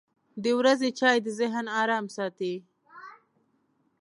• د ورځې چای د ذهن ارام ساتي.